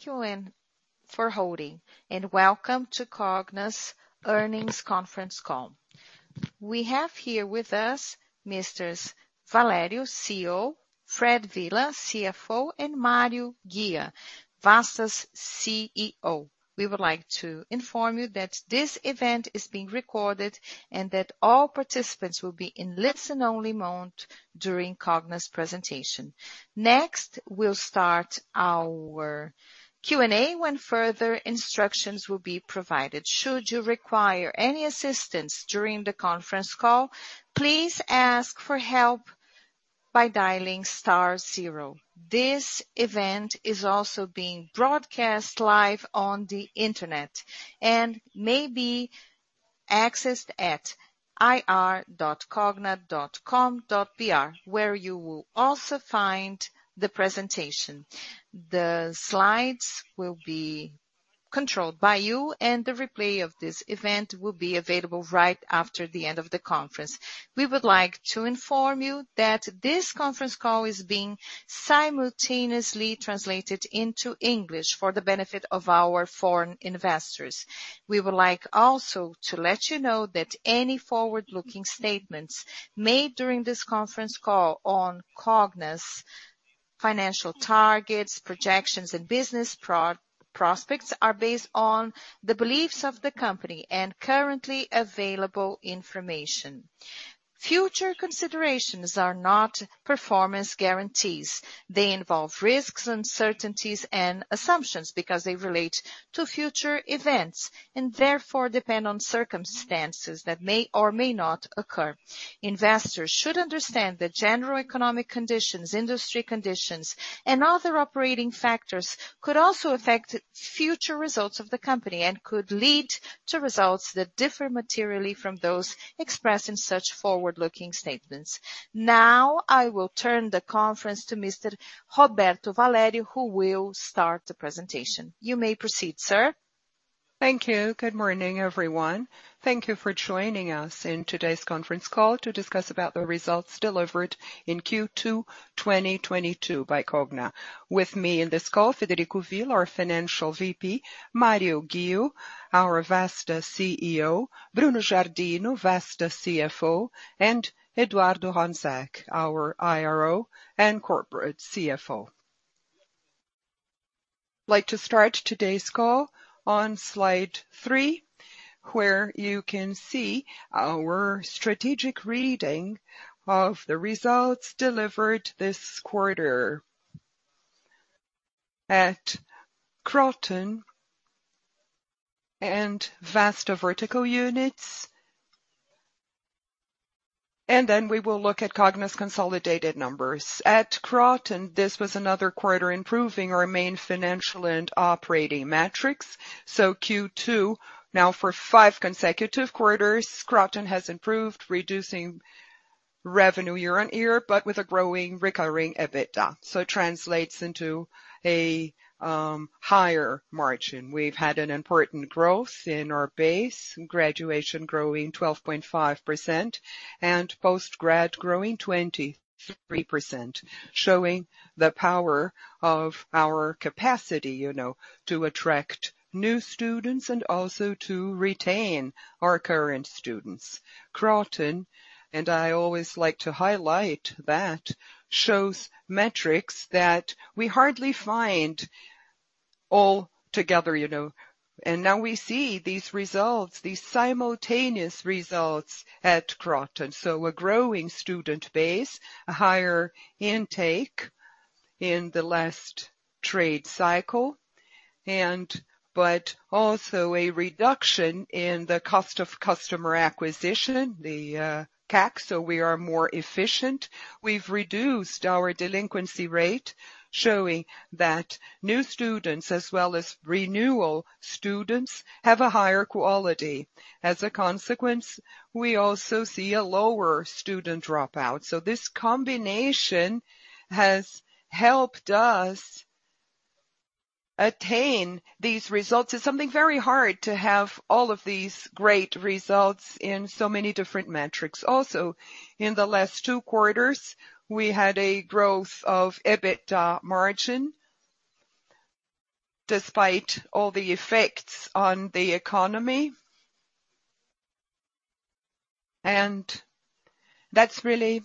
Thank you for holding, and welcome to Cogna's Earnings Conference Call. We have here with us Messrs. Valério, CEO, Fred Villa, CFO, and Mario Ghio, Vasta's CEO. We would like to inform you that this event is being recorded and that all participants will be in listen-only mode during Cogna's presentation. Next, we'll start our Q&A when further instructions will be provided. Should you require any assistance during the conference call, please ask for help by dialing star zero. This event is also being broadcast live on the Internet and may be accessed at ir.cogna.com.br, where you will also find the presentation. The slides will be controlled by you, and the replay of this event will be available right after the end of the conference. We would like to inform you that this conference call is being simultaneously translated into English for the benefit of our foreign investors. We would like also to let you know that any forward-looking statements made during this conference call on Cogna's financial targets, projections, and business prospects are based on the beliefs of the company and currently available information. Future considerations are not performance guarantees. They involve risks, uncertainties, and assumptions because they relate to future events, and therefore depend on circumstances that may or may not occur. Investors should understand the general economic conditions, industry conditions, and other operating factors could also affect future results of the company and could lead to results that differ materially from those expressed in such forward-looking statements. Now, I will turn the conference to Mr. Roberto Valério, who will start the presentation. You may proceed, sir. Thank you. Good morning, everyone. Thank you for joining us in today's conference call to discuss about the results delivered in Q2 2022 by Cogna. With me in this call, Frederico Villa, our financial VP, Mario Ghio, our Vasta CEO, Bruno Giardino, Vasta CFO, and Eduardo Honzák, our IRO and Corporate CFO. I'd like to start today's call on slide three, where you can see our strategic reading of the results delivered this quarter. At Kroton and Vasta vertical units. We will look at Cogna's consolidated numbers. At Kroton, this was another quarter improving our main financial and operating metrics. Q2, now for five consecutive quarters, Kroton has improved, reducing revenue year-over-year, but with a growing recurring EBITDA. It translates into a higher margin. We've had an important growth in our base, graduation growing 12.5% and post-grad growing 23%, showing the power of our capacity, you know, to attract new students and also to retain our current students. Kroton, and I always like to highlight that, shows metrics that we hardly find all together, you know. Now we see these results, these simultaneous results at Kroton. A growing student base, a higher intake in the last trade cycle but also a reduction in the cost of customer acquisition, the CAC, so we are more efficient. We've reduced our delinquency rate, showing that new students as well as renewal students have a higher quality. As a consequence, we also see a lower student dropout. This combination has helped us attain these results. It's something very hard to have all of these great results in so many different metrics. Also, in the last two quarters, we had a growth of EBITDA margin despite all the effects on the economy. That's really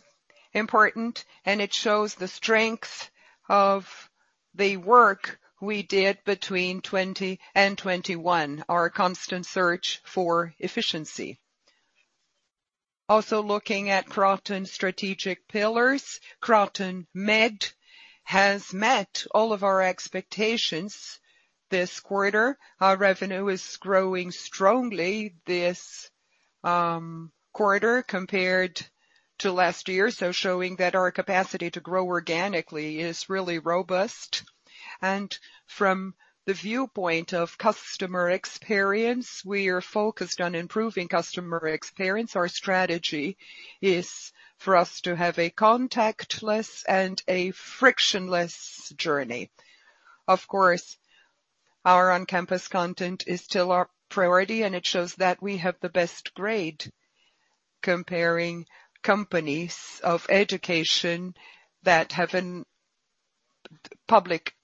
important, and it shows the strength of the work we did between 2020 and 2021, our constant search for efficiency. Also, looking at Kroton strategic pillars, Kroton Med has met all of our expectations this quarter. Our revenue is growing strongly this quarter compared to last year, so showing that our capacity to grow organically is really robust. From the viewpoint of customer experience, we are focused on improving customer experience. Our strategy is for us to have a contactless and a frictionless journey. Of course, our on-campus content is still our priority, and it shows that we have the best grade, comparing companies of education that have public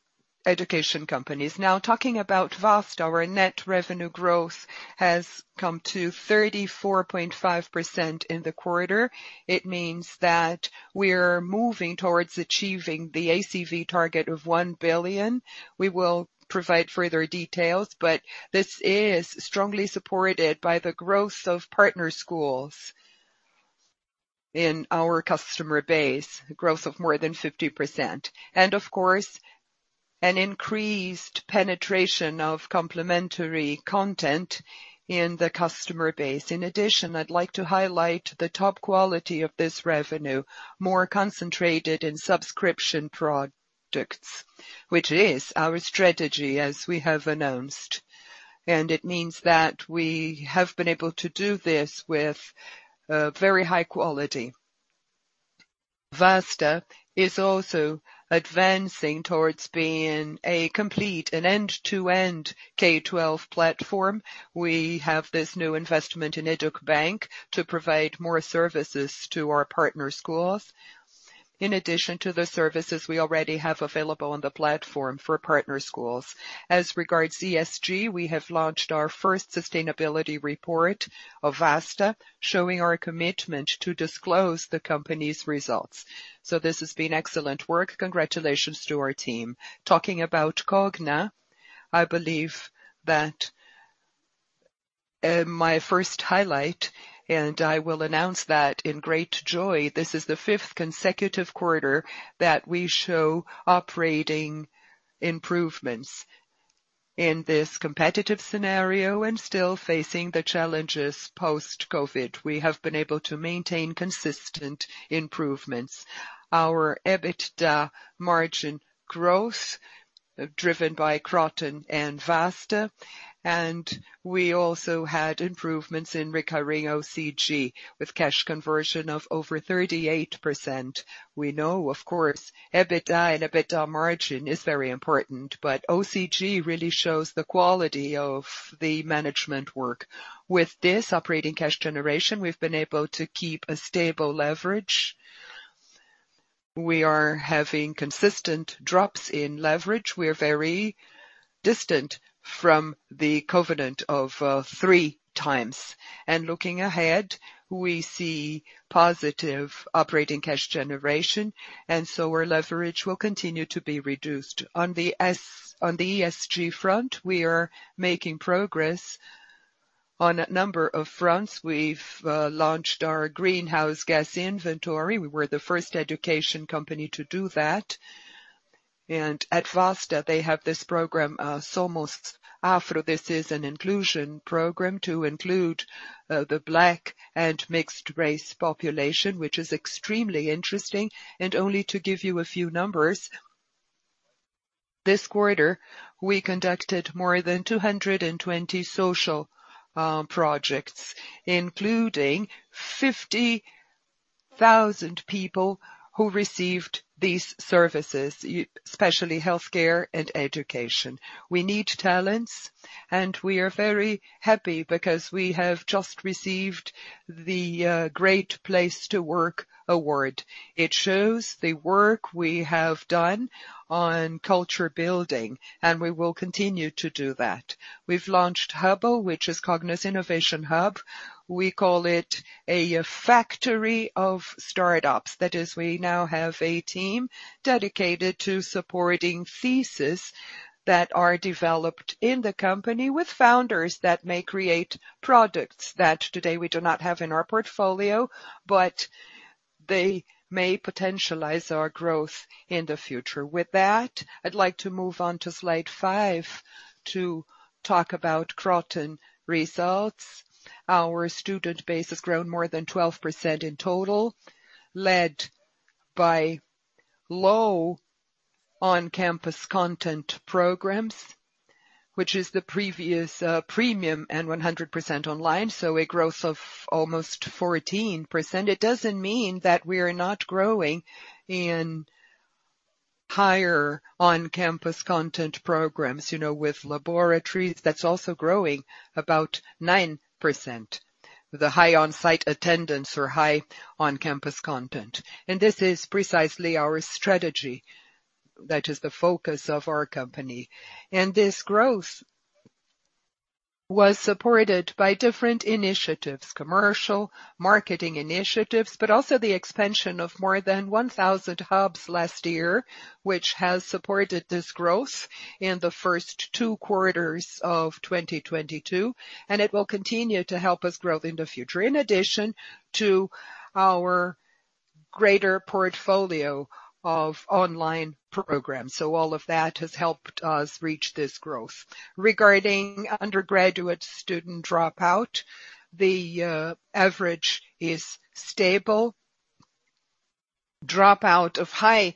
education companies. Now talking about Vasta. Our net revenue growth has come to 34.5% in the quarter. It means that we're moving towards achieving the ACV target of 1 billion. We will provide further details, but this is strongly supported by the growth of partner schools in our customer base, growth of more than 50%. Of course, an increased penetration of complementary content in the customer base. In addition, I'd like to highlight the top quality of this revenue, more concentrated in subscription products, which is our strategy as we have announced. It means that we have been able to do this with very high quality. Vasta is also advancing towards being a complete and end-to-end K-12 platform. We have this new investment in Eduk Bank to provide more services to our partner schools, in addition to the services we already have available on the platform for partner schools. As regards ESG, we have launched our first sustainability report of Vasta, showing our commitment to disclose the company's results. This has been excellent work. Congratulations to our team. Talking about Cogna. I believe that, my first highlight, and I will announce that in great joy, this is the fifth consecutive quarter that we show operating improvements in this competitive scenario and still facing the challenges post-COVID. We have been able to maintain consistent improvements. Our EBITDA margin growth, driven by Kroton and Vasta, and we also had improvements in recurring OCG with cash conversion of over 38%. We know, of course, EBITDA and EBITDA margin is very important, but OCG really shows the quality of the management work. With this operating cash generation, we've been able to keep a stable leverage. We are having consistent drops in leverage. We are very distant from the covenant of three times. Looking ahead, we see positive operating cash generation, and so our leverage will continue to be reduced. On the ESG front, we are making progress on a number of fronts. We've launched our greenhouse gas inventory. We were the first education company to do that. At Vasta, they have this program, SOMOS Afro. This is an inclusion program to include the black and mixed race population, which is extremely interesting. Only to give you a few numbers, this quarter we conducted more than 220 social projects, including 50,000 people who received these services, especially healthcare and education. We need talents, and we are very happy because we have just received the Great Place to Work award. It shows the work we have done on culture building, and we will continue to do that. We've launched Hub, which is Cogna Innovation Hub. We call it a factory of startups. That is, we now have a team dedicated to supporting thesis that are developed in the company with founders that may create products that today we do not have in our portfolio, but they may potentialize our growth in the future. With that, I'd like to move on to slide five to talk about Kroton results. Our student base has grown more than 12% in total, led by low on-campus content programs, which is the previous, premium and 100% online, so a growth of almost 14%. It doesn't mean that we're not growing in higher on-campus content programs, you know, with laboratories that's also growing about 9%. The high on-site attendance or high on-campus content. This is precisely our strategy. That is the focus of our company. This growth was supported by different initiatives, commercial, marketing initiatives, but also the expansion of more than 1,000 hubs last year, which has supported this growth in the first two quarters of 2022, and it will continue to help us grow in the future. In addition to our greater portfolio of online programs. All of that has helped us reach this growth. Regarding undergraduate student dropout, the average is stable. Dropout of high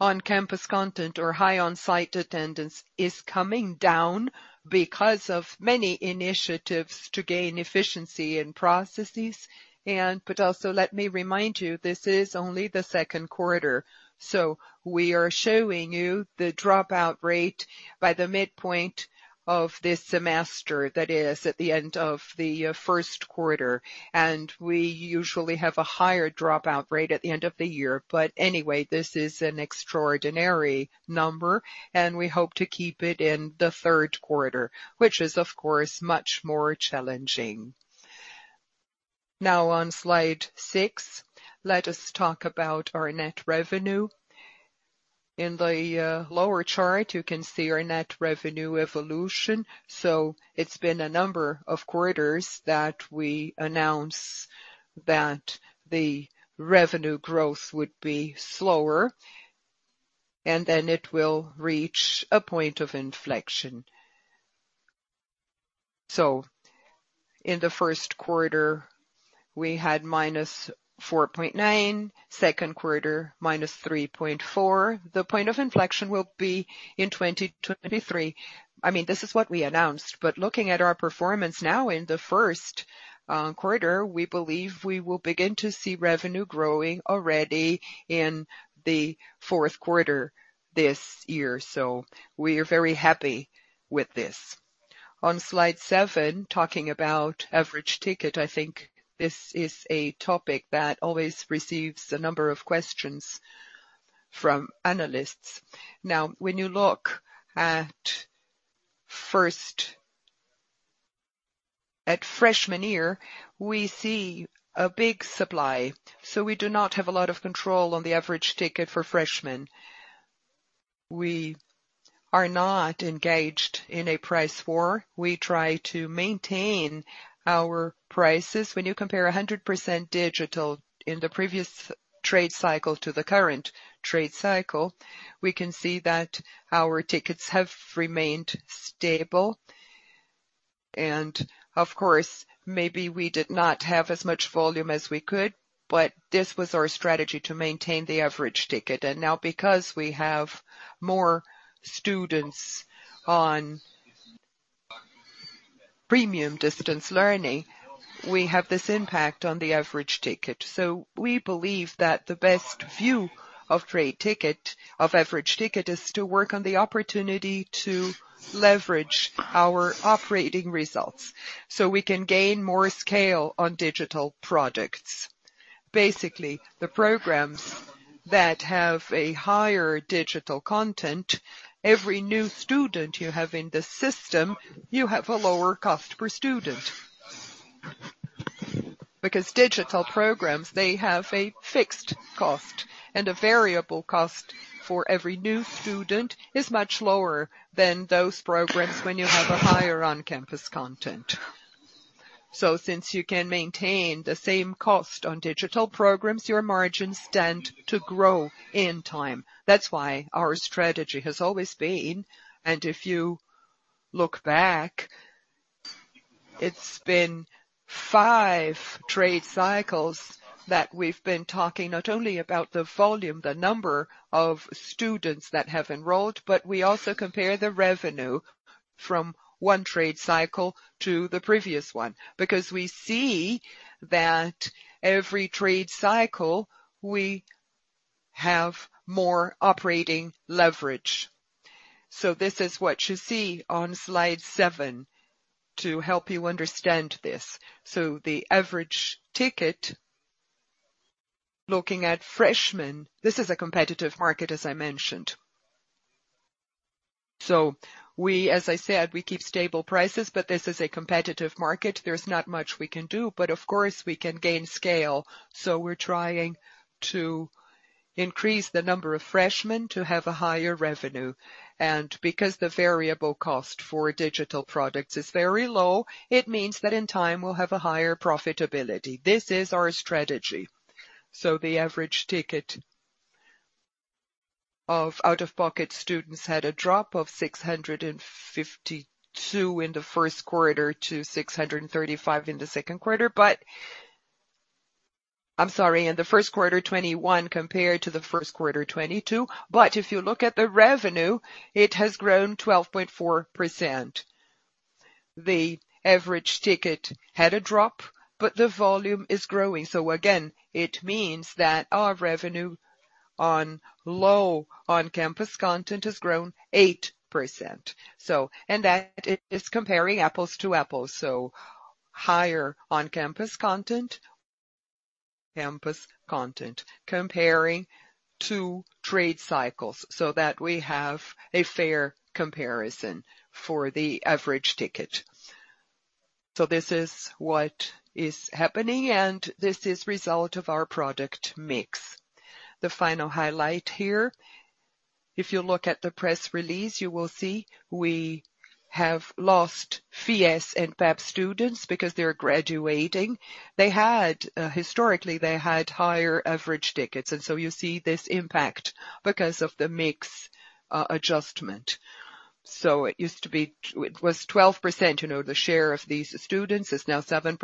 on-campus content or high on-site attendance is coming down because of many initiatives to gain efficiency in processes. But also, let me remind you, this is only the second quarter, so we are showing you the dropout rate by the midpoint of this semester, that is at the end of the first quarter. We usually have a higher dropout rate at the end of the year. Anyway, this is an extraordinary number and we hope to keep it in the third quarter, which is of course much more challenging. Now on slide six, let us talk about our net revenue. In the lower chart, you can see our net revenue evolution. It's been a number of quarters that we announce that the revenue growth would be slower, and then it will reach a point of inflection. In the first quarter, we had -4.9%, second quarter, -3.4%. The point of inflection will be in 2023. I mean, this is what we announced. Looking at our performance now in the first quarter, we believe we will begin to see revenue growing already in the fourth quarter this year. We are very happy with this. On slide seven, talking about average ticket, I think this is a topic that always receives a number of questions from analysts. Now, when you look at freshman year, we see a big supply. We do not have a lot of control on the average ticket for freshmen. We are not engaged in a price war. We try to maintain our prices. When you compare 100% digital in the previous trade cycle to the current trade cycle, we can see that our tickets have remained stable. Of course, maybe we did not have as much volume as we could, but this was our strategy to maintain the average ticket. Now, because we have more students on premium distance learning, we have this impact on the average ticket. We believe that the best view of average ticket is to work on the opportunity to leverage our operating results so we can gain more scale on digital products. Basically, the programs that have a higher digital content, every new student you have in the system, you have a lower cost per student. Because digital programs, they have a fixed cost, and a variable cost for every new student is much lower than those programs when you have a higher on-campus content. Since you can maintain the same cost on digital programs, your margins tend to grow in time. That's why our strategy has always been, and if you look back, it's been five trade cycles that we've been talking not only about the volume, the number of students that have enrolled, but we also compare the revenue from one trade cycle to the previous one. Because we see that every trade cycle, we have more operating leverage. This is what you see on slide seven to help you understand this. The average ticket, looking at freshmen, this is a competitive market, as I mentioned. We, as I said, we keep stable prices, but this is a competitive market. There's not much we can do, but of course, we can gain scale. We're trying to increase the number of freshmen to have a higher revenue. Because the variable cost for digital products is very low, it means that in time we'll have a higher profitability. This is our strategy. The average ticket of out-of-pocket students had a drop from 652 in the first quarter 2021 to 635 in the first quarter 2022. If you look at the revenue, it has grown 12.4%. The average ticket had a drop, but the volume is growing. Again, it means that our revenue on low on-campus content has grown 8%. That is comparing apples to apples, so higher on-campus content, comparing two trade cycles so that we have a fair comparison for the average ticket. This is what is happening, and this is result of our product mix. The final highlight here, if you look at the press release, you will see we have lost Fies and PAP students because they're graduating. They had, historically, higher average tickets, and so you see this impact because of the mix, adjustment. It used to be 12%, you know, the share of these students is now 7%.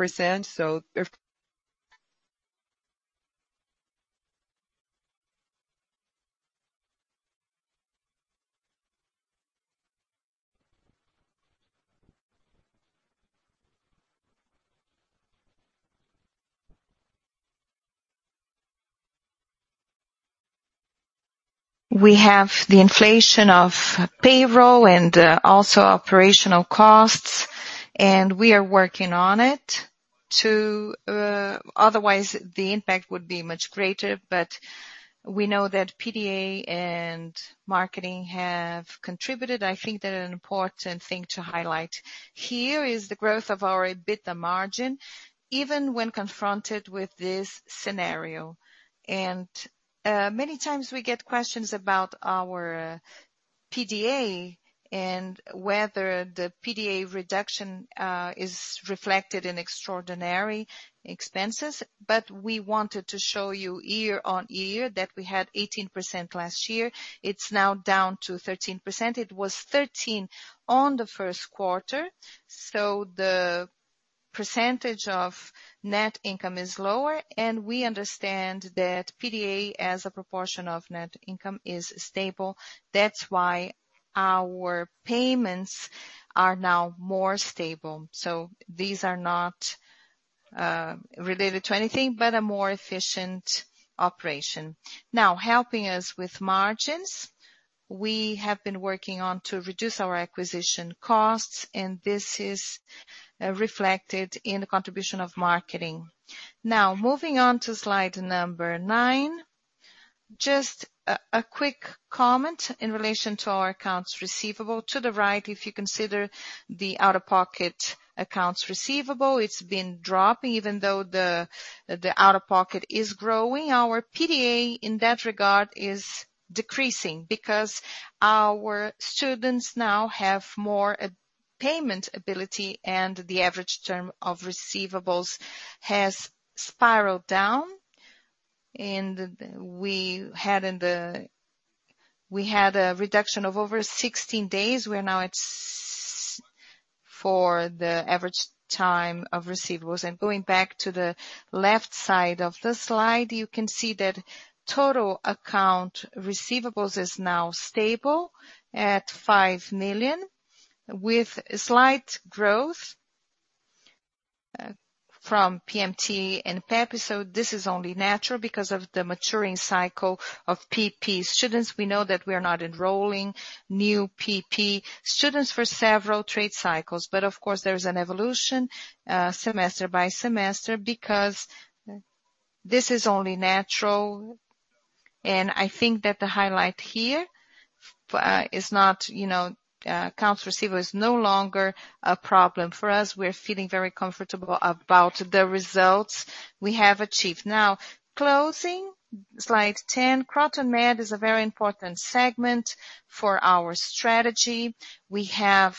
We have the inflation of payroll and also operational costs, and we are working on it to. Otherwise, the impact would be much greater. We know that PDA and marketing have contributed. I think that an important thing to highlight here is the growth of our EBITDA margin, even when confronted with this scenario. Many times we get questions about our PDA and whether the PDA reduction is reflected in extraordinary expenses. We wanted to show you year-on-year that we had 18% last year. It's now down to 13%. It was 13% in the first quarter. The percentage of net income is lower and we understand that PDA as a proportion of net income is stable. That's why our payments are now more stable. These are not related to anything but a more efficient operation. Now, helping us with margins, we have been working on to reduce our acquisition costs, and this is reflected in the contribution of marketing. Now moving on to slide number nine. Just a quick comment in relation to our accounts receivable. To the right, if you consider the out-of-pocket accounts receivable, it's been dropping. Even though the out-of-pocket is growing, our PDA in that regard is decreasing because our students now have more payment ability and the average term of receivables has spiraled down. We had a reduction of over 16 days. We're now at sixty for the average time of receivables. Going back to the left side of the slide, you can see that total account receivables is now stable at 5 million, with slight growth from PMT and PEP. This is only natural because of the maturing cycle of PEP students. We know that we are not enrolling new PEP students for several trade cycles. Of course, there is an evolution semester by semester because this is only natural. I think that the highlight here is not, you know, accounts receivable is no longer a problem for us. We're feeling very comfortable about the results we have achieved. Now, closing slide ten, Kroton Med is a very important segment for our strategy. We have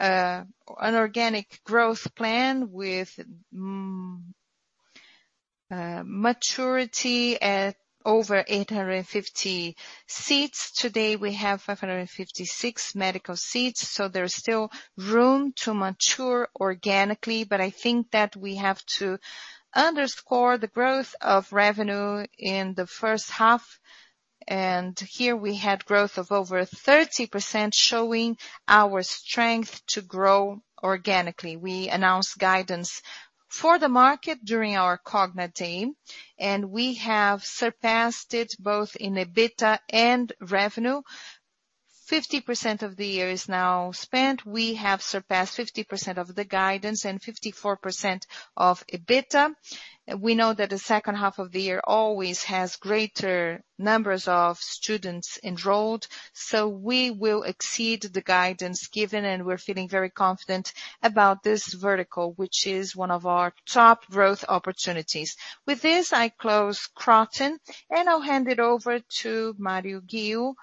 an organic growth plan with maturity at over 850 seats. Today we have 556 medical seats, so there's still room to mature organically. I think that we have to underscore the growth of revenue in the first half. Here we had growth of over 30% showing our strength to grow organically. We announced guidance for the market during our Cogna Day, and we have surpassed it both in EBITDA and revenue. 50% of the year is now spent. We have surpassed 50% of the guidance and 54% of EBITDA. We know that the second half of the year always has greater numbers of students enrolled, so we will exceed the guidance given, and we're feeling very confident about this vertical, which is one of our top growth opportunities. With this, I close Kroton, and I'll hand it over to Mario Ghio,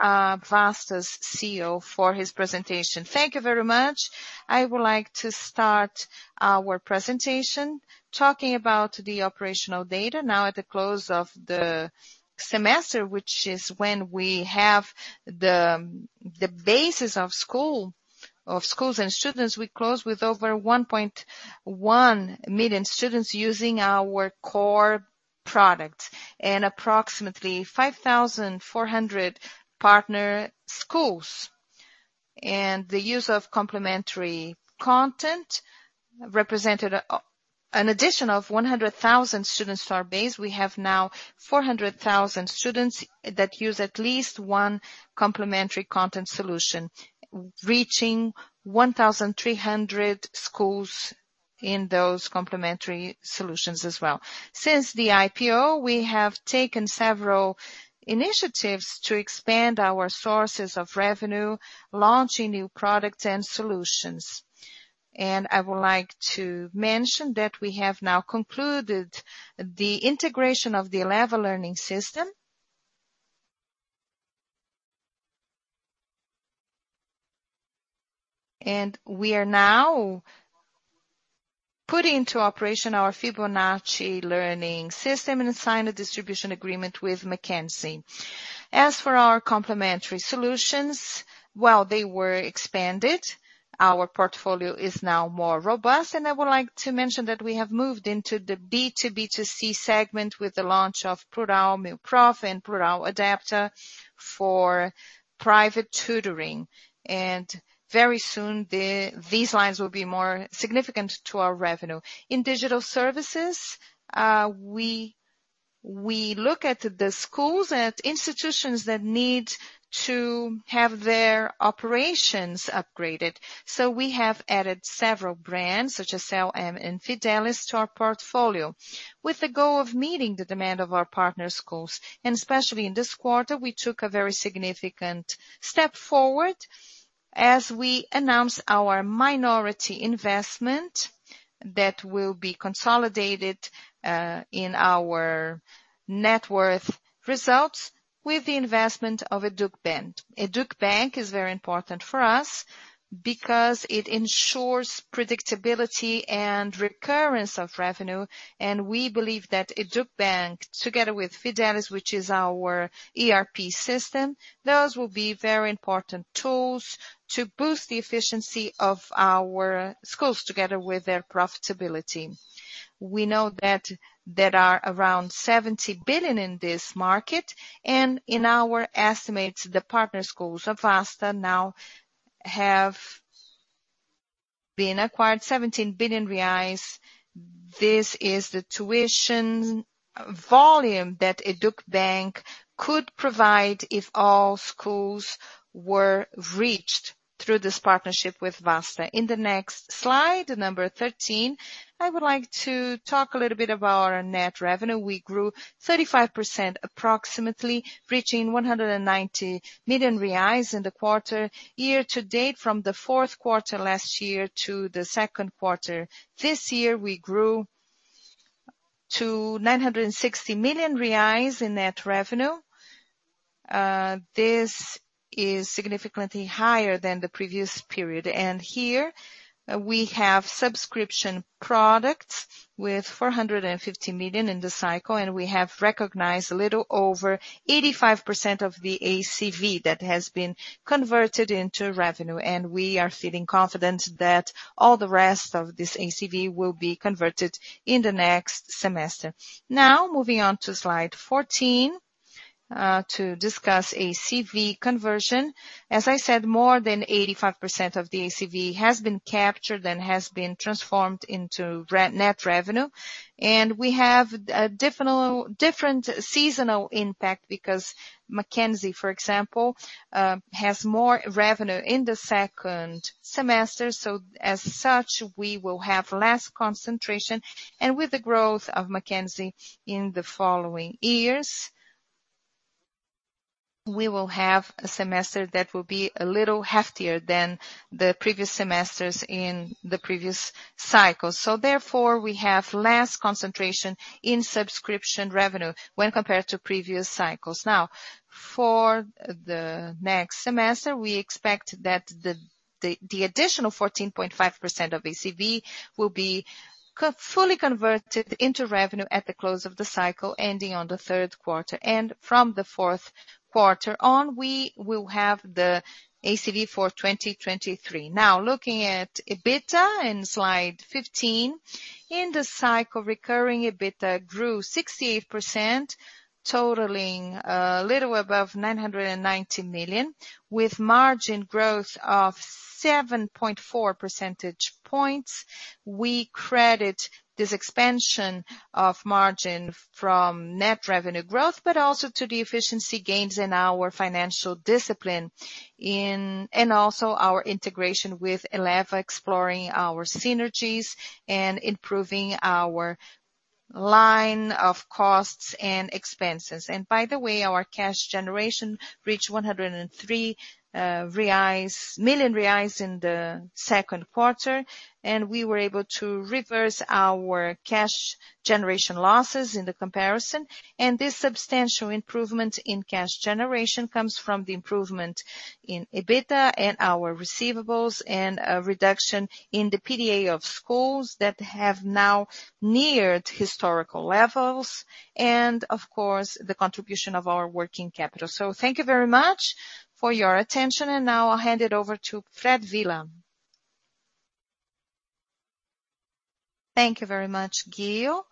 Vasta's CEO, for his presentation. Thank you very much. I would like to start our presentation talking about the operational data now at the close of the semester, which is when we have the basis of schools and students. We close with over 1.1 million students using our core products and approximately 5,400 partner schools. The use of complementary content represented an addition of 100,000 students to our base. We have now 400,000 students that use at least one complementary content solution, reaching 1,300 schools in those complementary solutions as well. Since the IPO, we have taken several initiatives to expand our sources of revenue, launching new products and solutions. I would like to mention that we have now concluded the integration of the Eleva Learning System. We are now putting into operation our Fibonacci Learning System and signed a distribution agreement with McKinsey. As for our complementary solutions, while they were expanded, our portfolio is now more robust. I would like to mention that we have moved into the B2B2C segment with the launch of Plurall Mil Prof and Plurall Adapta for private tutoring. Very soon these lines will be more significant to our revenue. In digital services, we look at the schools and institutions that need to have their operations upgraded. We have added several brands, such as LM and Fidelis, to our portfolio. With the goal of meeting the demand of our partner schools, and especially in this quarter, we took a very significant step forward. As we announce our minority investment that will be consolidated, in our net worth results with the investment of Eduk Bank. Eduk Bank is very important for us because it ensures predictability and recurrence of revenue. We believe that Eduk Bank together with Fidelis, which is our ERP system, those will be very important tools to boost the efficiency of our schools together with their profitability. We know that there are around 70 billion in this market and in our estimates the partner schools of Vasta now have been acquired 17 billion reais. This is the tuition volume that Eduk Bank could provide if all schools were reached through this partnership with Vasta. In the next slide, 13, I would like to talk a little bit about our net revenue. We grew 35% approximately reaching 190 million reais in the quarter. Year to date from the fourth quarter last year to the second quarter this year, we grew to 960 million reais in net revenue. This is significantly higher than the previous period. Here we have subscription products with 450 million in the cycle, and we have recognized a little over 85% of the ACV that has been converted into revenue. We are feeling confident that all the rest of this ACV will be converted in the next semester. Now moving on to slide 14 to discuss ACV conversion. As I said, more than 85% of the ACV has been captured and has been transformed into net revenue. We have a different seasonal impact because Mackenzie, for example, has more revenue in the second semester. As such, we will have less concentration. With the growth of Mackenzie in the following years, we will have a semester that will be a little heftier than the previous semesters in the previous cycle. Therefore, we have less concentration in subscription revenue when compared to previous cycles. Now, for the next semester, we expect that the additional 14.5% of ACV will be fully converted into revenue at the close of the cycle ending on the third quarter. From the fourth quarter on, we will have the ACV for 2023. Now looking at EBITDA in slide 15. In the recurring cycle, EBITDA grew 68%, totaling a little above 990 million with margin growth of 7.4 percentage points. We credit this expansion of margin from net revenue growth, but also to the efficiency gains in our financial discipline and also our integration with Eleva, exploiting our synergies and improving our line of costs and expenses. By the way, our cash generation reached 103 million reais in the second quarter, and we were able to reverse our cash generation losses in the comparison. This substantial improvement in cash generation comes from the improvement in EBITDA and our receivables and a reduction in the PDA of schools that have now neared historical levels and of course, the contribution of our working capital. Thank you very much for your attention. Now I'll hand it over to Fred Villa. Thank you very much, Ghio.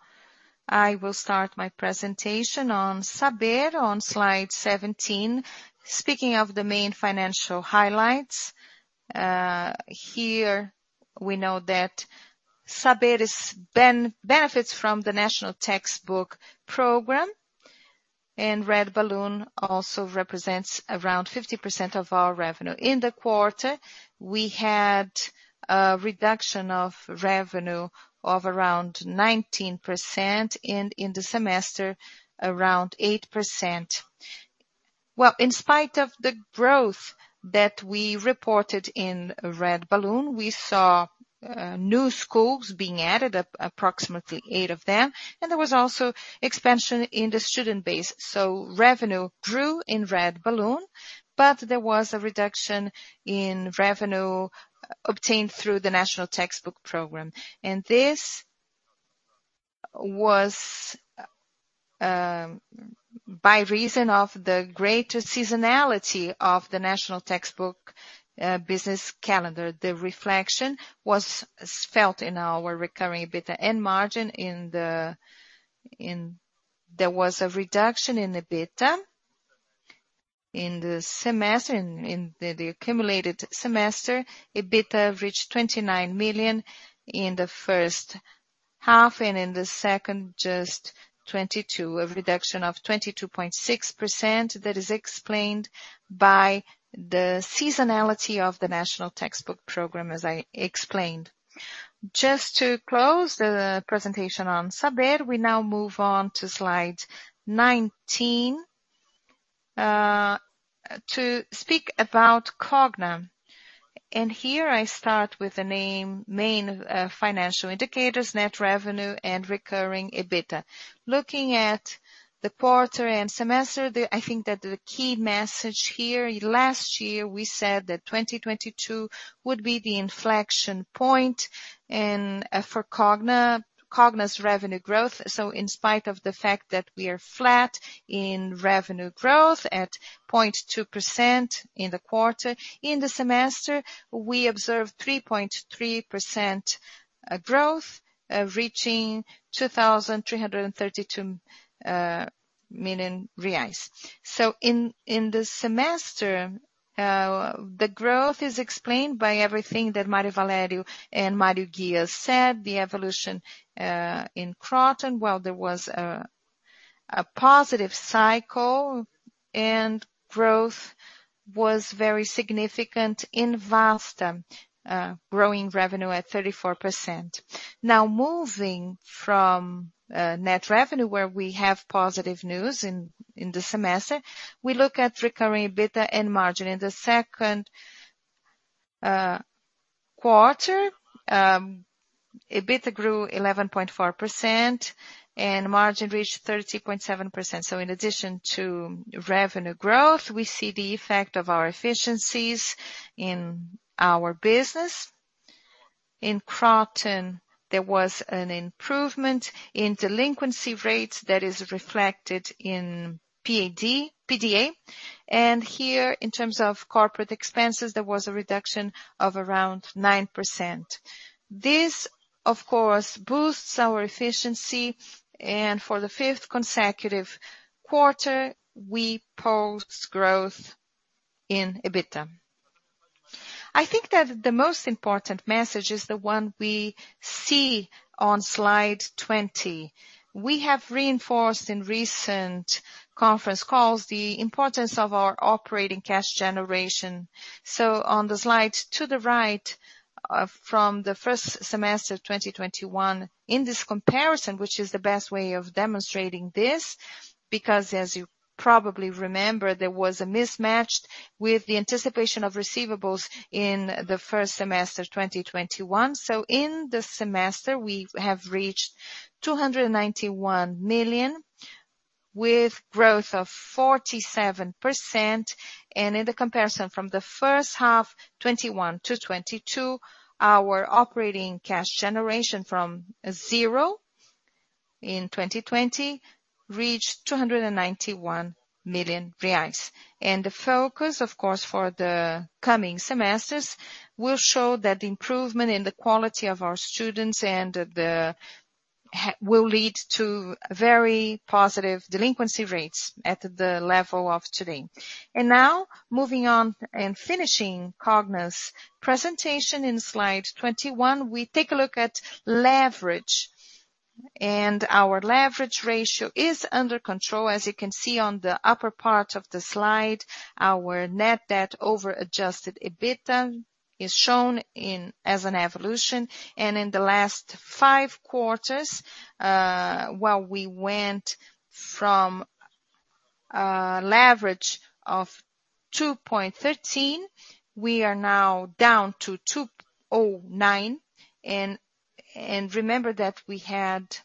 I will start my presentation on Saber on slide 17. Speaking of the main financial highlights, here we know that Saber benefits from the National Textbook Program, and Red Balloon also represents around 50% of our revenue. In the quarter, we had a reduction of revenue of around 19% and in the semester around 8%. Well, in spite of the growth that we reported in Red Balloon, we saw new schools being added, approximately 8 of them. There was also expansion in the student base. Revenue grew in Red Balloon, but there was a reduction in revenue obtained through the National Textbook Program. This was by reason of the greater seasonality of the National Textbook business calendar. The reflection was felt in our recurring EBITDA and margin. There was a reduction in EBITDA in the accumulated semester. EBITDA reached 29 million in the first half and in the second just 22. A reduction of 22.6% that is explained by the seasonality of the National Textbook Program, as I explained. Just to close the presentation on Saber, we now move on to slide 19 to speak about Cogna. Here I start with the main financial indicators, net revenue and recurring EBITDA. Looking at the quarter and semester, I think that the key message here, last year we said that 2022 would be the inflection point and for Cogna's revenue growth. In spite of the fact that we are flat in revenue growth at 0.2% in the quarter, in the semester, we observed 3.3% growth, reaching BRL 2,332 million. In the semester, the growth is explained by everything that Roberto Valério and Mario Ghio said, the evolution in Kroton. Well, there was a positive cycle and growth was very significant in Vasta, growing revenue at 34%. Now, moving from net revenue, where we have positive news in the semester, we look at recurring EBITDA and margin. In the second quarter, EBITDA grew 11.4% and margin reached 30.7%. In addition to revenue growth, we see the effect of our efficiencies in our business. In Kroton, there was an improvement in delinquency rates that is reflected in PAD, PDA. Here, in terms of corporate expenses, there was a reduction of around 9%. This, of course, boosts our efficiency. For the fifth consecutive quarter, we post growth in EBITDA. I think that the most important message is the one we see on slide 20. We have reinforced in recent conference calls the importance of our operating cash generation. On the slide to the right, from the first semester, 2021, in this comparison, which is the best way of demonstrating this, because as you probably remember, there was a mismatch with the anticipation of receivables in the first semester, 2021. In the semester, we have reached 291 million with growth of 47%. In the comparison from the first half, 2021 to 2022, our operating cash generation from 0 in 2020 reached 291 million reais. The focus, of course, for the coming semesters will show that the improvement in the quality of our students will lead to very positive delinquency rates at the level of today. Now moving on and finishing Cogna's presentation in slide 21, we take a look at leverage. Our leverage ratio is under control. As you can see on the upper part of the slide, our net debt over adjusted EBITDA is shown as an evolution. In the last five quarters, while we went from leverage of 2.13, we are now down to 2.09. Remember that we had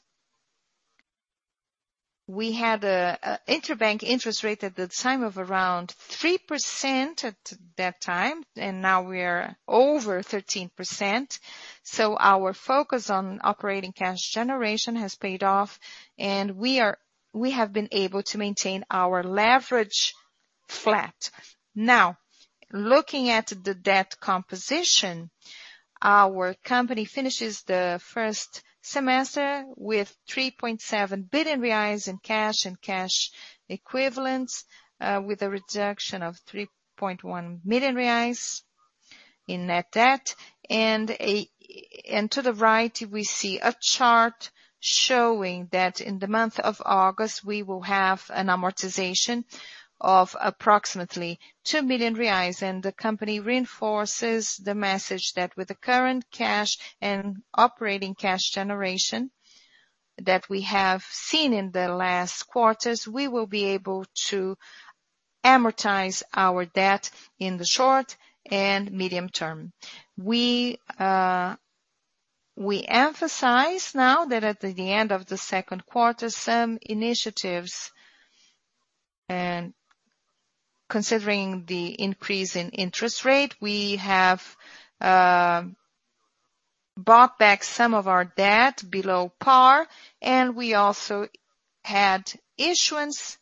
an interbank interest rate at the time of around 3% at that time, and now we are over 13%. Our focus on operating cash generation has paid off. We have been able to maintain our leverage flat. Now, looking at the debt composition, our company finishes the first semester with 3.7 billion reais in cash and cash equivalents, with a reduction of 3.1 million reais in net debt. To the right, we see a chart showing that in the month of August we will have an amortization of approximately 2 million reais. The company reinforces the message that with the current cash and operating cash generation that we have seen in the last quarters, we will be able to amortize our debt in the short and medium term. We emphasize now that at the end of the second quarter, some initiatives and considering the increase in interest rate, we have bought back some of our debt below par. We also had issuance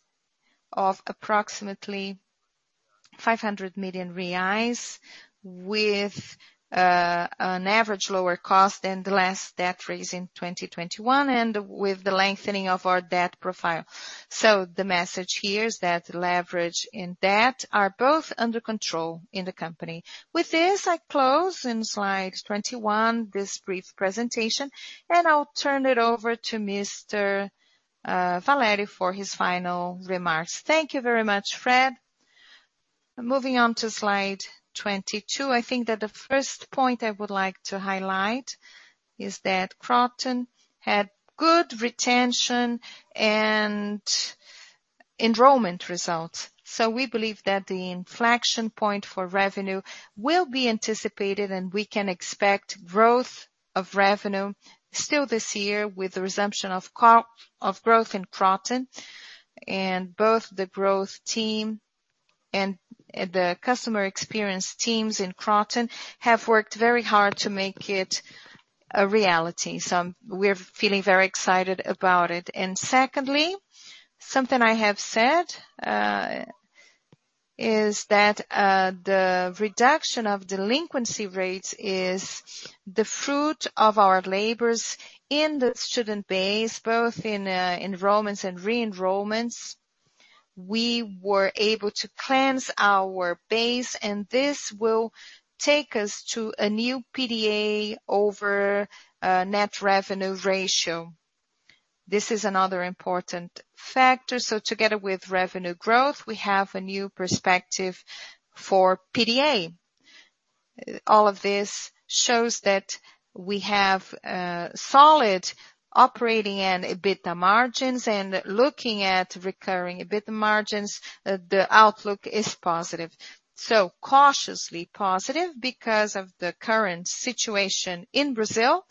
of approximately BRL 500 million with an average lower cost than the last debt raise in 2021 and with the lengthening of our debt profile. The message here is that leverage and debt are both under control in the company. With this, I close on slide 21 this brief presentation, and I'll turn it over to Mr. Valério for his final remarks. Thank you very much, Fred. Moving on to slide 22. I think that the first point I would like to highlight is that Kroton had good retention and enrollment results. We believe that the inflection point for revenue will be anticipated and we can expect growth of revenue still this year with the resumption of growth in Kroton. Both the growth team and the customer experience teams in Kroton have worked very hard to make it a reality. We're feeling very excited about it. Secondly, something I have said is that the reduction of delinquency rates is the fruit of our labors in the student base, both in enrollments and re-enrollments. We were able to cleanse our base and this will take us to a new PDA over net revenue ratio. This is another important factor. Together with revenue growth, we have a new perspective for PDA. All of this shows that we have solid operating and EBITDA margins. Looking at recurring EBITDA margins, the outlook is positive. Cautiously positive because of the current situation in Brazil.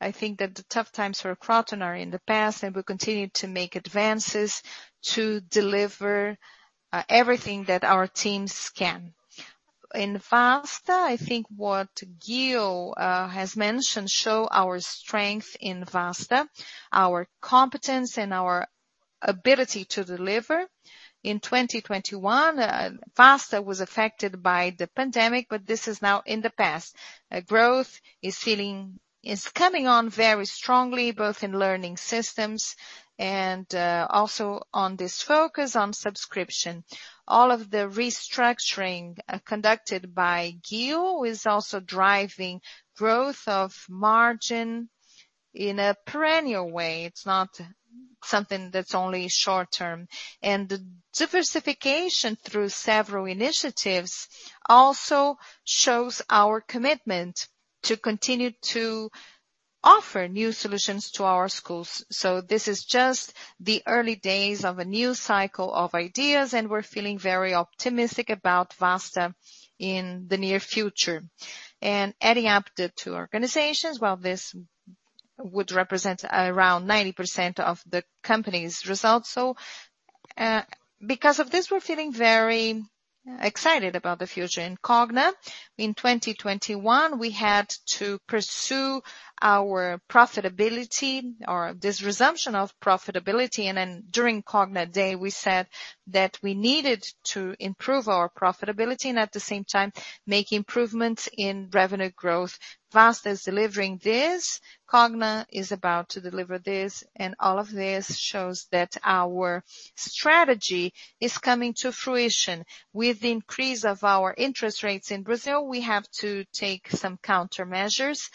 I think that the tough times for Kroton are in the past, and we'll continue to make advances to deliver everything that our teams can. In Vasta, I think what Ghio has mentioned show our strength in Vasta, our competence and our ability to deliver. In 2021, Vasta was affected by the pandemic, but this is now in the past. Growth is coming on very strongly, both in learning systems and also on this focus on subscription. All of the restructuring conducted by Mario Ghio is also driving growth of margin in a perennial way. It's not something that's only short-term. Diversification through several initiatives also shows our commitment to continue to offer new solutions to our schools. This is just the early days of a new cycle of ideas, and we're feeling very optimistic about Vasta in the near future. Adding up the two organizations, while this would represent around 90% of the company's results. Because of this, we're feeling very excited about the future. In Cogna, in 2021, we had to pursue our profitability or this resumption of profitability. During Cogna Day, we said that we needed to improve our profitability and at the same time make improvements in revenue growth. Vasta is delivering this, Cogna is about to deliver this, and all of this shows that our strategy is coming to fruition. With the increase of our interest rates in Brazil, we have to take some countermeasures.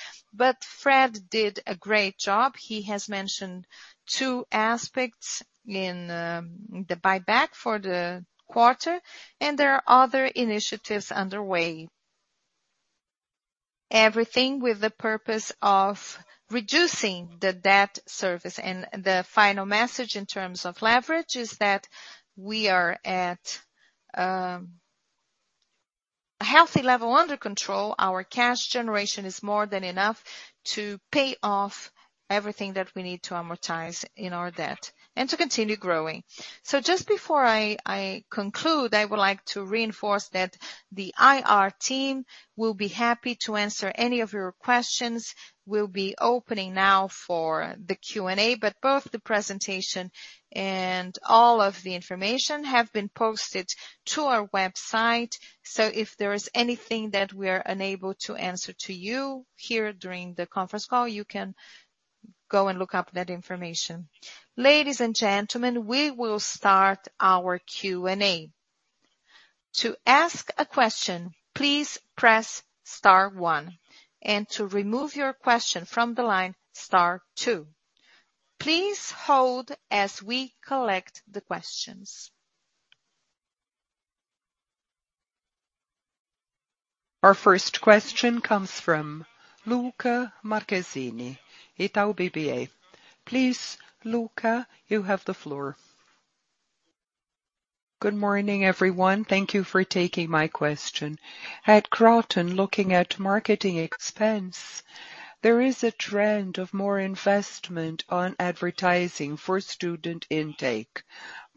Fred did a great job. He has mentioned two aspects in the buyback for the quarter, and there are other initiatives underway. Everything with the purpose of reducing the debt service. The final message in terms of leverage is that we are at a healthy level under control. Our cash generation is more than enough to pay off everything that we need to amortize in our debt and to continue growing. Just before I conclude, I would like to reinforce that the IR team will be happy to answer any of your questions. We'll be opening now for the Q&A. Both the presentation and all of the information have been posted to our website. If there is anything that we are unable to answer to you here during the conference call, you can go and look up that information. Ladies and gentlemen, we will start our Q&A. To ask a question, please press star one. To remove your question from the line, star two. Please hold as we collect the questions. Our first question comes from Luca Marchesani, Itaú BBA. Please, Luca, you have the floor. Good morning, everyone. Thank you for taking my question. At Kroton, looking at marketing expense, there is a trend of more investment on advertising for student intake,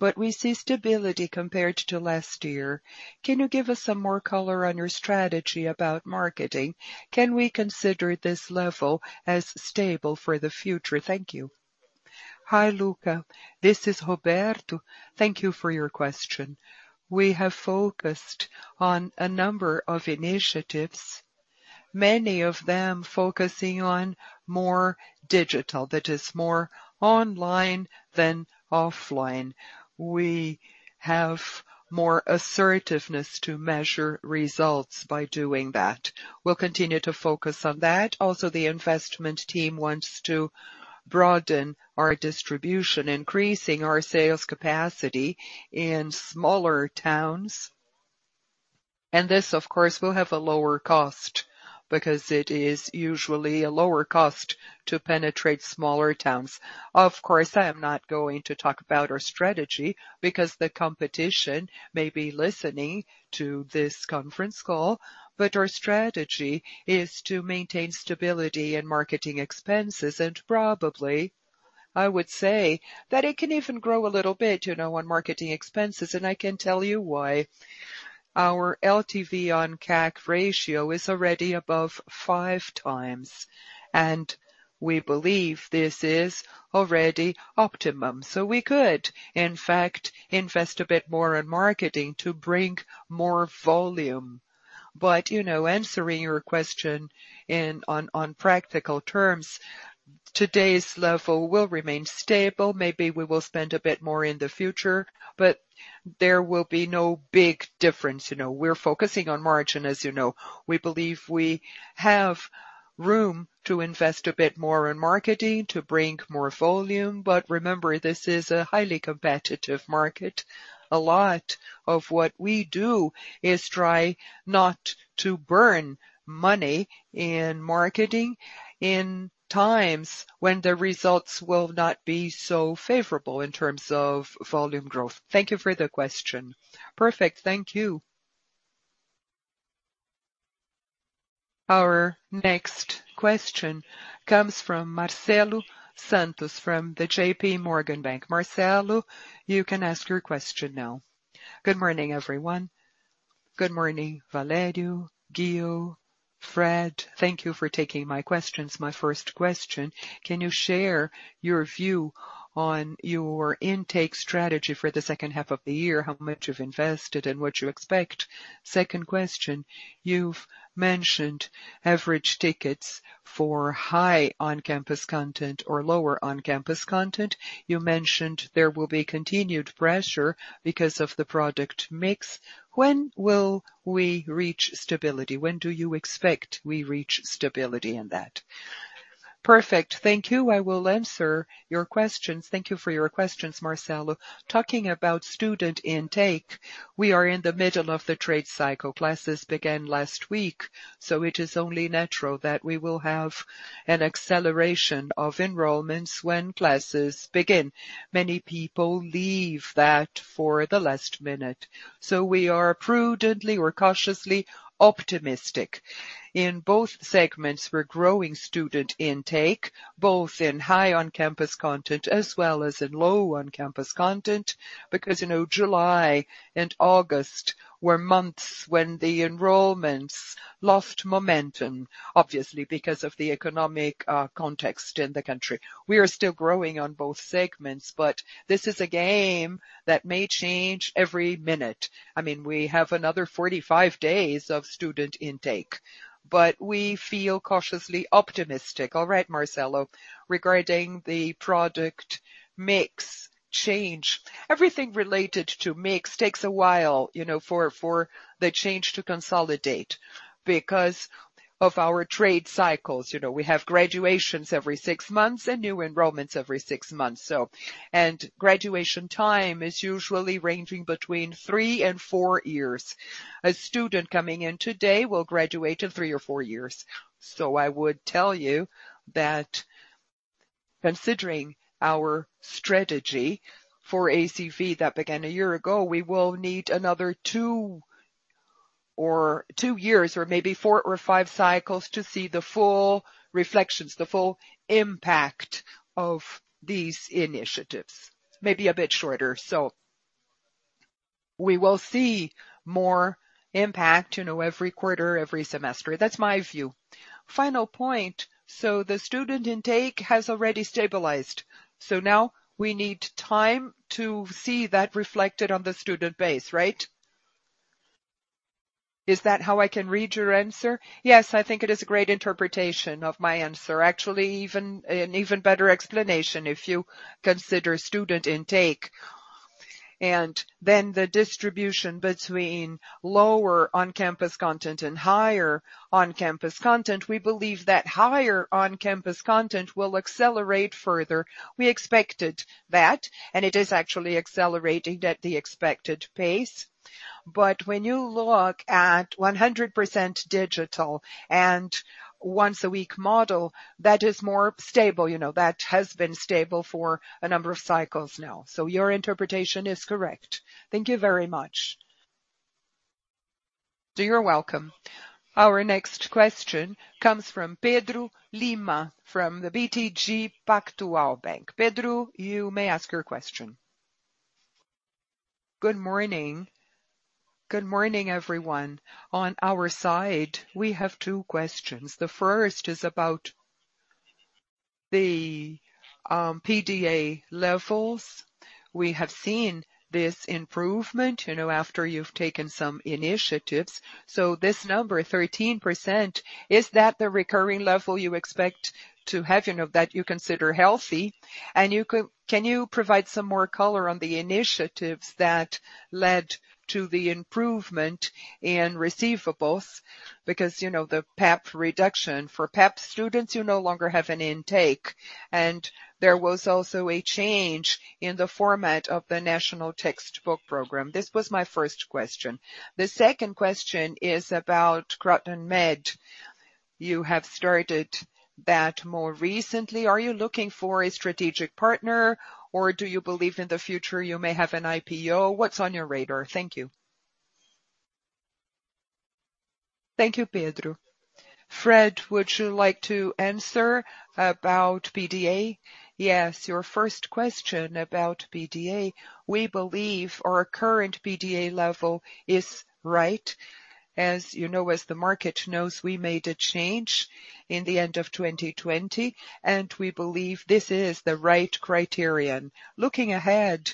but we see stability compared to last year. Can you give us some more color on your strategy about marketing? Can we consider this level as stable for the future? Thank you. Hi, Luca. This is Roberto. Thank you for your question. We have focused on a number of initiatives, many of them focusing on more digital, that is more online than offline. We have more assertiveness to measure results by doing that. We'll continue to focus on that. Also, the investment team wants to broaden our distribution, increasing our sales capacity in smaller towns. This of course will have a lower cost because it is usually a lower cost to penetrate smaller towns. Of course, I am not going to talk about our strategy because the competition may be listening to this conference call. Our strategy is to maintain stability in marketing expenses. Probably I would say that it can even grow a little bit, you know, on marketing expenses, and I can tell you why. Our LTV on CAC ratio is already above 5x, and we believe this is already optimum. We could in fact invest a bit more in marketing to bring more volume. You know, answering your question, on practical terms, today's level will remain stable. Maybe we will spend a bit more in the future, but there will be no big difference. You know, we're focusing on margin. As you know, we believe we have room to invest a bit more in marketing to bring more volume. Remember, this is a highly competitive market. A lot of what we do is try not to burn money in marketing in times when the results will not be so favorable in terms of volume growth. Thank you for the question. Perfect. Thank you. Our next question comes from Marcelo Santos from JPMorgan. Marcelo, you can ask your question now. Good morning, everyone. Good morning, Valério, Ghio, Fred. Thank you for taking my questions. My first question, can you share your view on your intake strategy for the second half of the year? How much you've invested and what you expect? Second question. You've mentioned average tickets for higher on-campus content or lower on-campus content. You mentioned there will be continued pressure because of the product mix. When will we reach stability? When do you expect we reach stability in that? Perfect. Thank you. I will answer your questions. Thank you for your questions, Marcelo. Talking about student intake, we are in the middle of the trade cycle. Classes began last week, so it is only natural that we will have an acceleration of enrollments when classes begin. Many people leave that for the last minute, so we are prudently or cautiously optimistic. In both segments we're growing student intake, both in high on-campus content as well as in low on-campus content. Because, you know, July and August were months when the enrollments lost momentum, obviously because of the economic context in the country. We are still growing on both segments. This is a game that may change every minute. I mean, we have another 45 days of student intake, but we feel cautiously optimistic. All right, Marcelo. Regarding the product mix change, everything related to mix takes a while, you know, for the change to consolidate because of our grade cycles. You know, we have graduations every six months and new enrollments every 6 months. Graduation time is usually ranging between 3-4 years. A student coming in today will graduate in 3-4 years. I would tell you that considering our strategy for ACV that began a year ago, we will need another two years or maybe 4-5 cycles to see the full reflections, the full impact of these initiatives. Maybe a bit shorter, we will see more impact, you know, every quarter, every semester. That's my view. Final point. The student intake has already stabilized, so now we need time to see that reflected on the student base, right? Is that how I can read your answer? Yes, I think it is a great interpretation of my answer. Actually, even better explanation if you consider student intake and then the distribution between lower on-campus content and higher on-campus content. We believe that higher on-campus content will accelerate further. We expected that, and it is actually accelerating at the expected pace. When you look at 100% digital and once a week model, that is more stable. You know, that has been stable for a number of cycles now. Your interpretation is correct. Thank you very much. You're welcome. Our next question comes from Pedro Lima from BTG Pactual. Pedro, you may ask your question. Good morning. Good morning, everyone. On our side, we have two questions. The first is about the PDA levels. We have seen this improvement, you know, after you've taken some initiatives. This number 13%, is that the recurring level you expect to have, you know, that you consider healthy? Can you provide some more color on the initiatives that led to the improvement in receivables? Because, you know, the PAP reduction for PAP students who no longer have an intake. There was also a change in the format of the National Textbook Program. This was my first question. The second question is about Kroton Med. You have started that more recently. Are you looking for a strategic partner or do you believe in the future you may have an IPO? What's on your radar? Thank you. Thank you, Pedro. Fred, would you like to answer about PDA? Yes. Your first question about PDA. We believe our current PDA level is right. As you know, as the market knows, we made a change in the end of 2020, and we believe this is the right criterion. Looking ahead,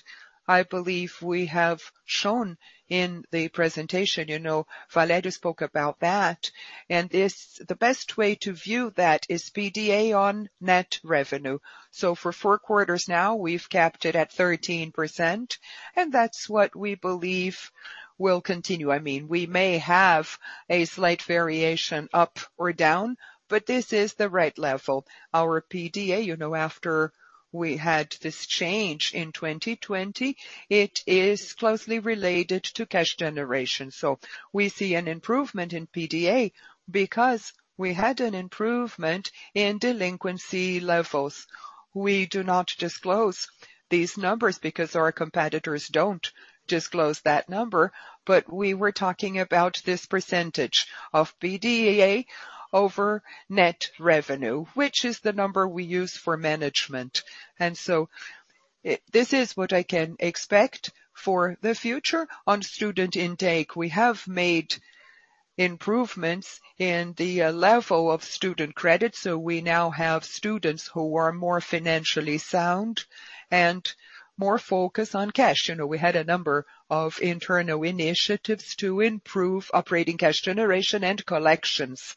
I believe we have shown in the presentation, you know, Valério spoke about that, and the best way to view that is PDA on net revenue. For four quarters now, we've kept it at 13%, and that's what we believe will continue. I mean, we may have a slight variation up or down, but this is the right level. Our PDA, you know, after we had this change in 2020, it is closely related to cash generation. We see an improvement in PDA because we had an improvement in delinquency levels. We do not disclose these numbers because our competitors don't disclose that number. We were talking about this percentage of PDA over net revenue, which is the number we use for management. This is what I can expect for the future. On student intake, we have made improvements in the level of student credit, so we now have students who are more financially sound and more focused on cash. You know, we had a number of internal initiatives to improve operating cash generation and collections.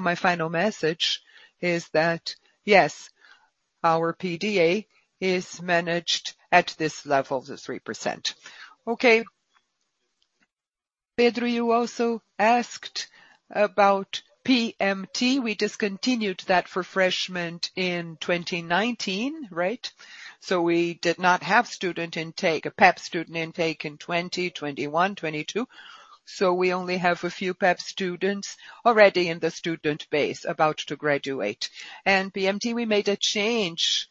My final message is that, yes, our PDA is managed at this level, the 3%. Okay. Pedro, you also asked about PMT. We discontinued that for freshmen in 2019, right? We did not have student intake, a PEP student intake in 2021, 2022. We only have a few PEP students already in the student base about to graduate. PMT, we made a change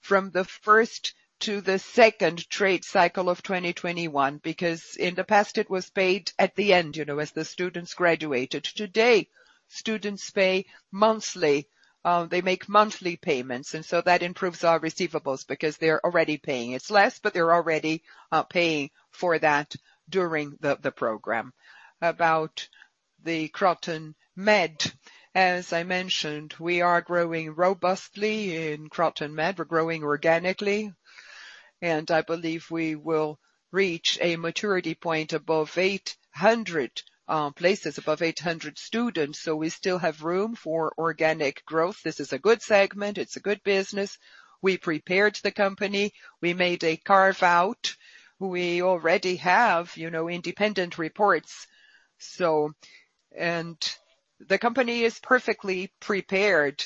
from the first to the second trade cycle of 2021, because in the past, it was paid at the end, you know, as the students graduated. Today, students pay monthly. They make monthly payments, and so that improves our receivables because they're already paying. It's less, but they're already paying for that during the program. About the Kroton Med, as I mentioned, we are growing robustly in Kroton Med. We're growing organically, and I believe we will reach a maturity point above 800 places, above 800 students, so we still have room for organic growth. This is a good segment. It's a good business. We prepared the company. We made a carve-out. We already have, you know, independent reports. The company is perfectly prepared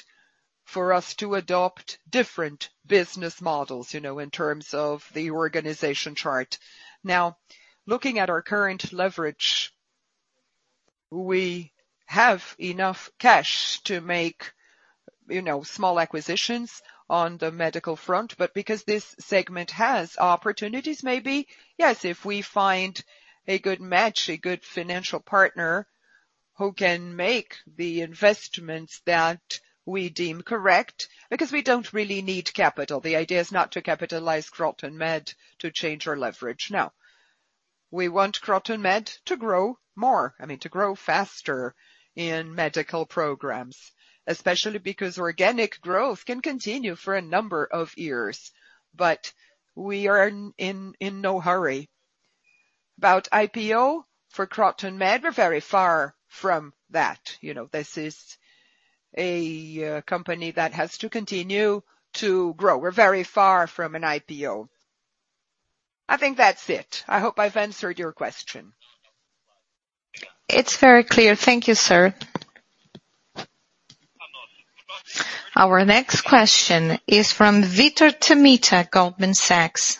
for us to adopt different business models, you know, in terms of the organization chart. Now, looking at our current leverage, we have enough cash to make, you know, small acquisitions on the medical front. Because this segment has opportunities, maybe, yes, if we find a good match, a good financial partner who can make the investments that we deem correct, because we don't really need capital. The idea is not to capitalize Kroton Med to change our leverage. No. We want Kroton Med to grow more, I mean, to grow faster in medical programs, especially because organic growth can continue for a number of years, but we are in no hurry. About IPO for Kroton Med, we're very far from that. You know, this is a company that has to continue to grow. We're very far from an IPO. I think that's it. I hope I've answered your question. It's very clear. Thank you, sir. Our next question is from Victor Tamietti, Goldman Sachs.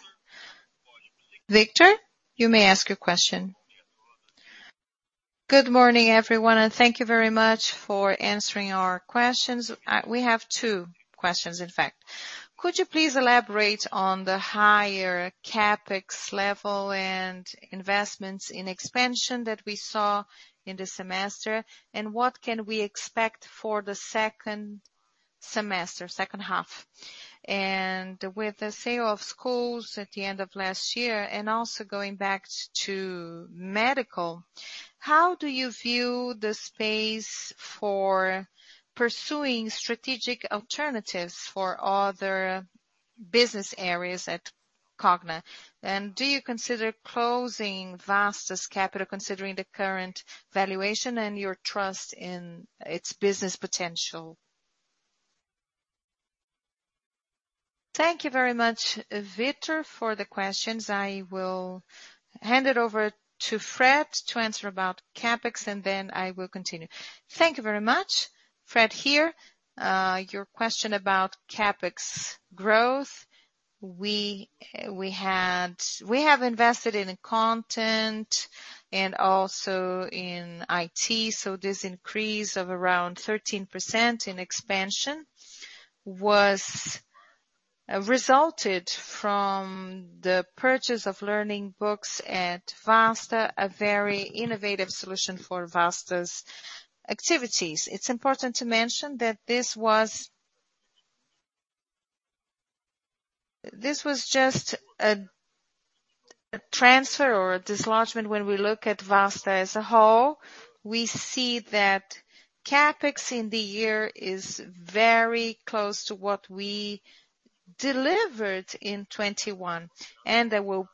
Victor, you may ask your question. Good morning, everyone, and thank you very much for answering our questions. We have two questions, in fact. Could you please elaborate on the higher CapEx level and investments in expansion that we saw in the semester, and what can we expect for the second semester, second half? With the sale of schools at the end of last year, and also going back to medical, how do you view the space for pursuing strategic alternatives for other business areas at Cogna? Do you consider closing Vasta's capital, considering the current valuation and your trust in its business potential? Thank you very much, Victor, for the questions. I will hand it over to Fred to answer about CapEx, and then I will continue. Thank you very much. Fred here. Your question about CapEx growth. We have invested in content and also in IT. This increase of around 13% in expansion resulted from the purchase of learning books at Vasta, a very innovative solution for Vasta's activities. It's important to mention that this was just a transfer or a dislodgement. When we look at Vasta as a whole, we see that CapEx in the year is very close to what we delivered in 2021. There will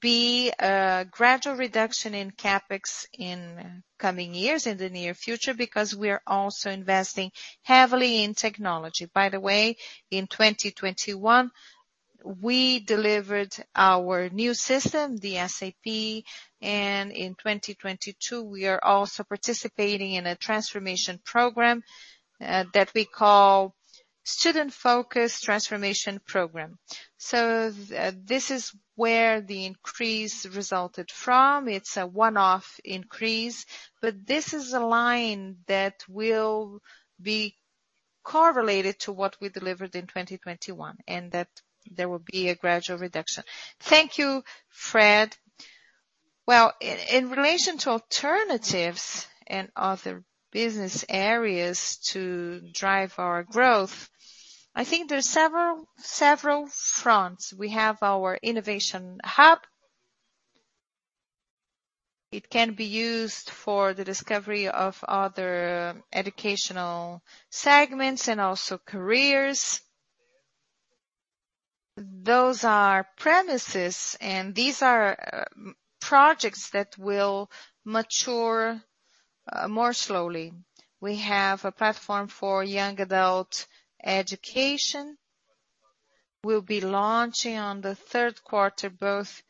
be a gradual reduction in CapEx in coming years, in the near future, because we are also investing heavily in technology. By the way, in 2021 we delivered our new system, the SAP. In 2022 we are also participating in a transformation program that we call Student Focused Transformation Program. This is where the increase resulted from. It's a one-off increase. This is a line that will be correlated to what we delivered in 2021, and that there will be a gradual reduction. Thank you, Fred. In relation to alternatives and other business areas to drive our growth, I think there are several fronts. We have our innovation hub. It can be used for the discovery of other educational segments and also careers. Those are premises, and these are projects that will mature more slowly. We have a platform for young adult education. We'll be launching in the third quarter both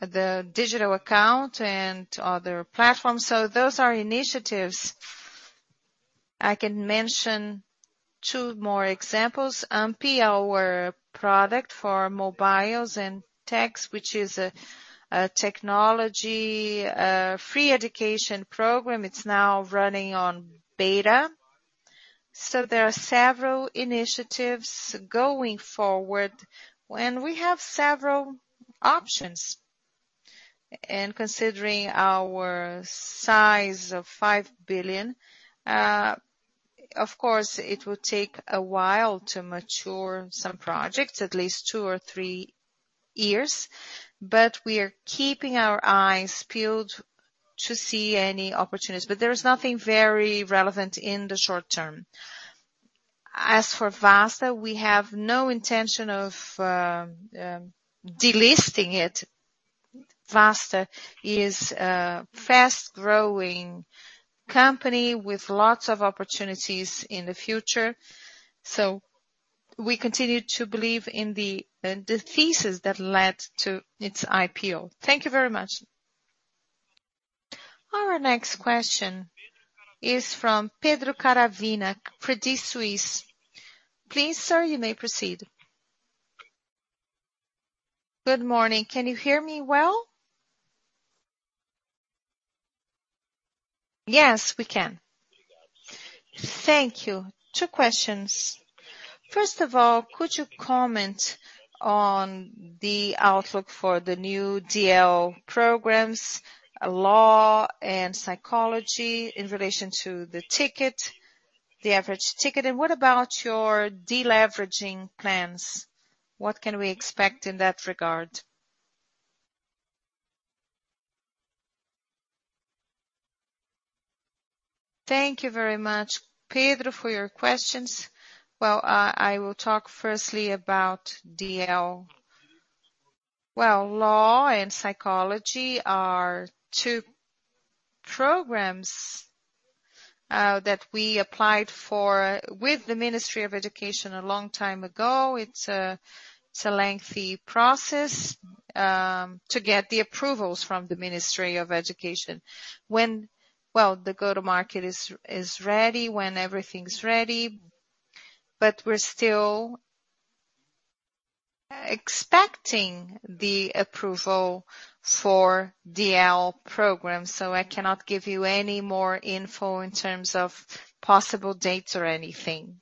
the digital account and other platforms. Those are initiatives. I can mention two more examples. Ampli, our product for mobiles and techs, which is a technology free education program. It's now running on beta. There are several initiatives going forward. We have several options. Considering our size of 5 billion, of course it will take a while to mature some projects, at least two or three years. We are keeping our eyes peeled to see any opportunities. There is nothing very relevant in the short term. As for Vasta, we have no intention of delisting it. Vasta is a fast-growing company with lots of opportunities in the future, so we continue to believe in the thesis that led to its IPO. Thank you very much. Our next question is from Pedro Caravina, Credit Suisse. Please, sir, you may proceed. Good morning. Can you hear me well? Yes, we can. Thank you. Two questions. First of all, could you comment on the outlook for the new DL programs, law and psychology, in relation to the ticket, the average ticket? And what about your deleveraging plans? What can we expect in that regard? Thank you very much, Pedro, for your questions. Well, I will talk firstly about DL. Well, law and psychology are two programs that we applied for with the Ministry of Education a long time ago. It's a lengthy process to get the approvals from the Ministry of Education. The go-to-market is ready when everything's ready. We're still expecting the approval for DL program, so I cannot give you any more info in terms of possible dates or anything.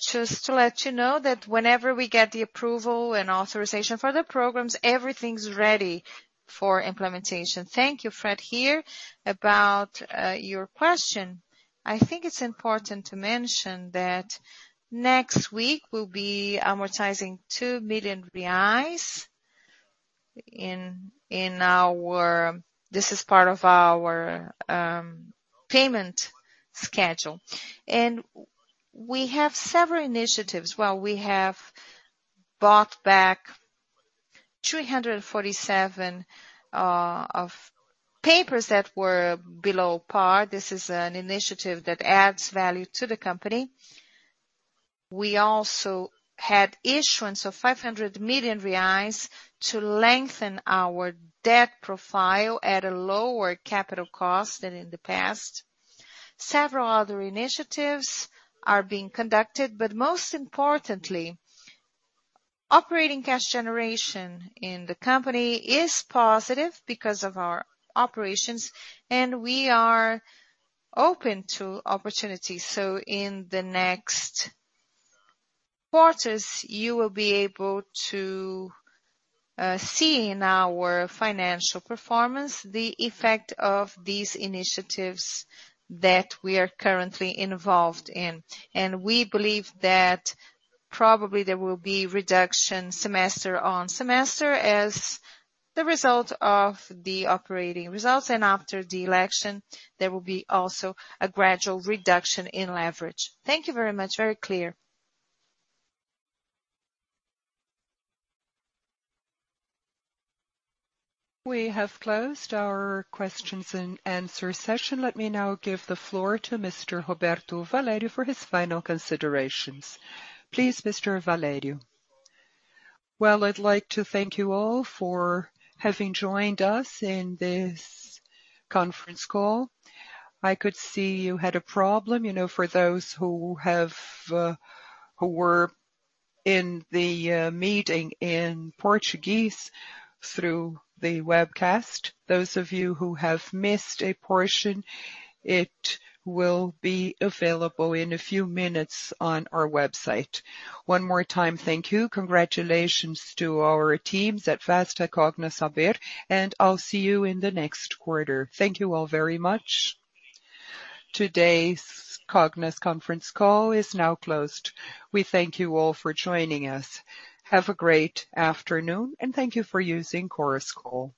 Just to let you know that whenever we get the approval and authorization for the programs, everything's ready for implementation. Thank you. Fred here. About your question. I think it's important to mention that next week we'll be amortizing 2 million reais. This is part of our payment schedule. Well, we have several initiatives. We have bought back 347 papers that were below par. This is an initiative that adds value to the company. We also had issuance of 500 million reais to lengthen our debt profile at a lower capital cost than in the past. Several other initiatives are being conducted, but most importantly, operating cash generation in the company is positive because of our operations, and we are open to opportunities. In the next quarters, you will be able to see in our financial performance the effect of these initiatives that we are currently involved in. We believe that probably there will be reduction semester-on-semester as a result of the operating results. After the election, there will be also a gradual reduction in leverage. Thank you very much. Very clear. We have closed our questions and answer session. Let me now give the floor to Mr. Roberto Valério for his final considerations. Please, Mr. Valério. Well, I'd like to thank you all for having joined us in this conference call. I could see you had a problem, you know, for those who have, who were in the meeting in Portuguese through the webcast. Those of you who have missed a portion, it will be available in a few minutes on our website. One more time, thank you. Congratulations to our teams at Vasta, Cogna, Saber, and I'll see you in the next quarter. Thank you all very much. Today's Cogna conference call is now closed. We thank you all for joining us. Have a great afternoon, and thank you for using Chorus Call.